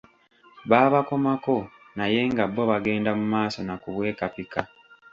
Baabakomako naye nga bo bagenda mu maaso na kubwekapika.